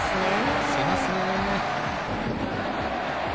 見せますね。